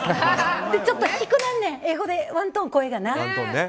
ちょっと低くなるねん英語でワントーン声が。